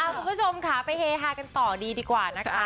คุณผู้ชมค่ะไปเฮฮากันต่อดีดีกว่านะคะ